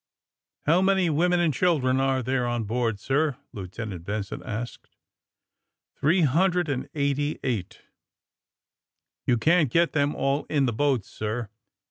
'^ How many women and children are there on board, sir!" Lieutenant Benson asked. '^ Three hundred and eighty eight !'' *^You can't get them all in the boats, sir."